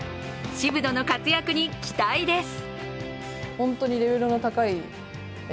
渋野の活躍に期待です。